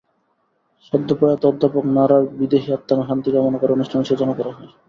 সদ্যপ্রয়াত অধ্যাপক নারার বিদেহী আত্মার শান্তি কামনা করে অনুষ্ঠানের সূচনা করা হয়।